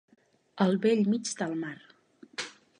Al bell mig del mar.